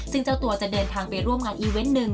ซึ่งเจ้าตัวจะเดินทางไปร่วมงานอีเวนต์หนึ่ง